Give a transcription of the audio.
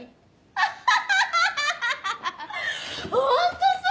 アハハハ！